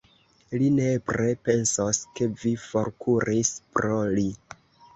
Li nepre pensos, ke vi forkuris pro li!